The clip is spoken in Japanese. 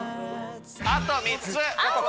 あと３つ。